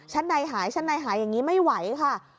ชั้นในหายชั้นในหายอย่างนี้ไม่ไหวค่ะ